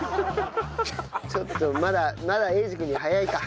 ちょっとまだまだ英二君には早いか。